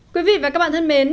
quý vị và các bạn thân mến